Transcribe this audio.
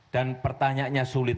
dan pertanyaannya sulit